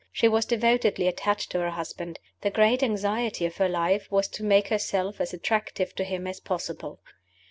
She was devotedly attached to her husband; the great anxiety of her life was to make herself as attractive to him as possible.